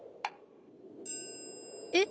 えっ？